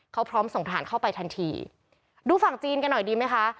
เขาพร้อมส่งทหารเข้าไปทันทีดูฝั่งจีนกันหน่อยดีไหมคะ